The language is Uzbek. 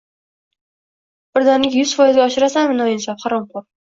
Birdaniga yuz foizga oshirasanmi, noinsof, haromxo`r